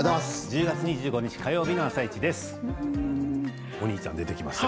１０月２５日火曜日の「あさイチ」です。